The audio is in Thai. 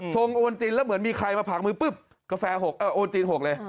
ชงโอนจีนแล้วเหมือนมีใครมาผลักมือปุ๊บกาแฟ๖โอนจีน๖เลย